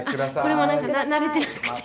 これもなんか慣れてなくて。